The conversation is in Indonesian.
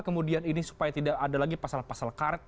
kemudian ini supaya tidak ada lagi pasal pasal karet